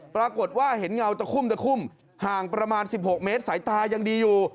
ปรากฏว่าเห็นเงาตะคุ่มตะคุ่มห่างประมาณ๑๖เมตรสายตายังดีอยู่